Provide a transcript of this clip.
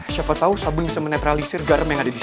siapa tau sabun bisa menetralisir garam yang ada disini